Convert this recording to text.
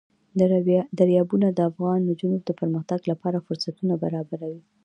دریابونه د افغان نجونو د پرمختګ لپاره فرصتونه برابروي.